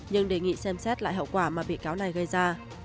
nhưng đề nghị xem xét lại hậu quả mà bị cáo này gây ra